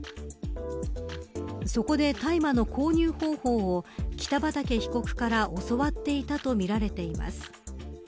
そこで大麻の購入方法を北畠被告から教わっていたとみられています。